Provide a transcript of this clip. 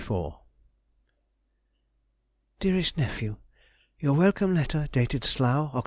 1, 1824_. DEAREST NEPHEW,— Your welcome letter, dated Slough, Oct.